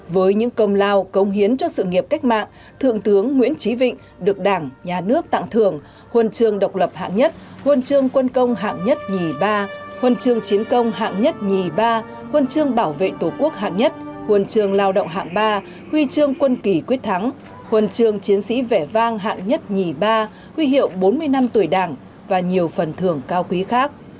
với những công lao cống hiến cho sự nghiệp cách mạng thượng tướng nguyễn trí vịnh được đảng nhà nước tặng thưởng huần trường độc lập hạng nhất huần trường quân công hạng nhất nhì ba huần trường chiến công hạng nhất nhì ba huần trường bảo vệ tổ quốc hạng nhất huần trường lao động hạng ba huy trường quân kỷ quyết thắng huần trường chiến sĩ vẻ vang hạng nhất nhì ba huy hiệu bốn mươi năm tuổi đảng và nhiều phần thưởng cao quý khác